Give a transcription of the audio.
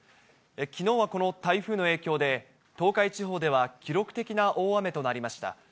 きのうはこの台風の影響で、東海地方では記録的な大雨となりました。